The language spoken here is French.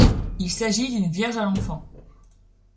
Il s'agit d'une Vierge à l'Enfant.